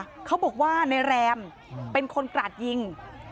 ตอนนี้ก็ไม่มีอัศวินทรีย์ที่สุดขึ้นแต่ก็ไม่มีอัศวินทรีย์ที่สุดขึ้น